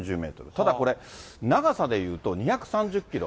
ただこれ、長さでいうと２３０キロ。